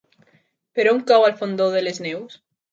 Per on cau el Fondó de les Neus?